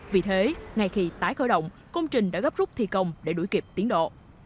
vì thế ngay khi tái khởi động công trình đã gấp rút thi công để đuổi kịp tiến độ